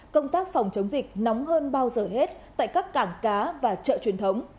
công tác phòng chống dịch nóng hơn bao giờ hết tại các cảng cá và chợ truyền thống